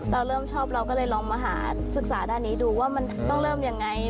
เราเริ่มชอบเราก็เลยลองมาหาศึกษาด้านนี้ดูว่ามันต้องเริ่มยังไง